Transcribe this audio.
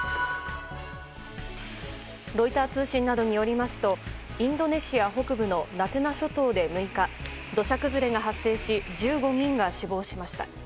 ロイター通信などによりますとインドネシア北部のナトゥナ諸島で６日土砂崩れが発生し１５人が死亡しました。